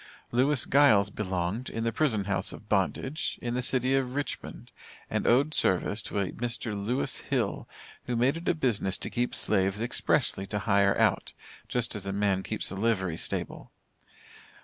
Lewis Giles belonged, in the prison house of bondage, in the city of Richmond, and owed service to a Mr. Lewis Hill, who made it a business to keep slaves expressly to hire out, just as a man keeps a livery stable.